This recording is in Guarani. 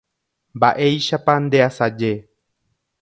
Mba'éichapa ndeasaje.